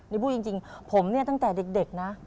นี่พูดจริงผมเนี่ยตั้งแต่เด็กนะ